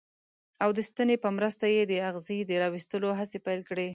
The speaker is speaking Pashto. او د ستنې په مرسته یې د اغزي د را ویستلو هڅې پیل کړې.